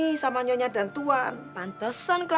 siapa yang tolak ria sendiri